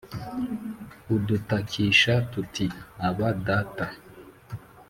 udutakisha tuti: Aba, Data!